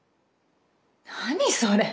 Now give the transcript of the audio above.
何それ？